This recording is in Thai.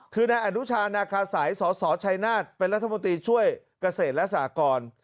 คือนายอนุชานาคาสัยสสชัยนาฏเป็นรัฐมนตรีช่วยเกษตรและสากร